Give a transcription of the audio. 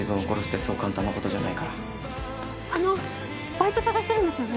バイト探してるんですよね。